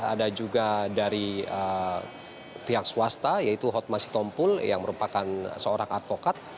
ada juga dari pihak swasta yaitu hotma sitompul yang merupakan seorang advokat